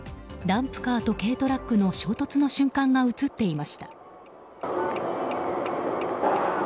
ダンプカーと軽トラックの衝突の瞬間が映っていました。